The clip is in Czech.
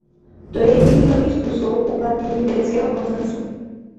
To je jediný možný způsob uplatnění vědeckého konsenzu.